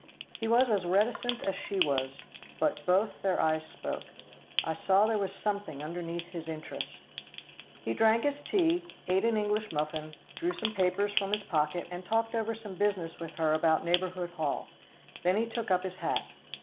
He was as reticent as she was, but both their eyes spoke. I saw there was something underneath his interest. He drank his tea, ate an English muffin, drew some papers from his pocket, and talked over some business with her about Neighbourhood Hall; then he took up his hat.